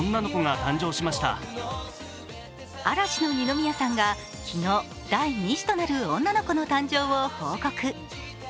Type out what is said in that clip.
嵐の二宮さんが昨日、第２子となる女の子の誕生を報告。